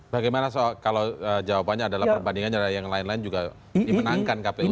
bagaimana soal kalau jawabannya adalah perbandingannya ada yang lain lain juga dimenangkan kpu sebenarnya